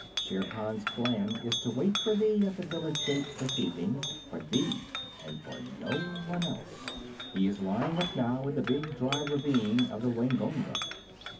Shere Khan's plan is to wait for thee at the village gate this evening for thee and for no one else. He is lying up now, in the big dry ravine of the Waingunga."